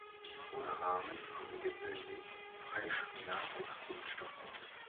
Ohne Rahmen kommen gewöhnlich Freischwinger aus Kunststoff aus.